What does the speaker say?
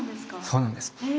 そうなんです。